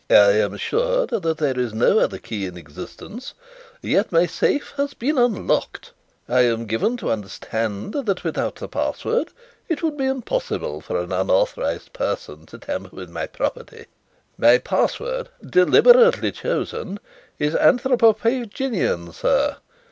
"I am assured that there is no other key in existence; yet my safe has been unlocked. I am given to understand that without the password it would be impossible for an unauthorized person to tamper with my property. My password, deliberately chosen, is 'anthropophaginian,' sir.